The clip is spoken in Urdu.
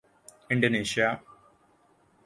انڈونیشیا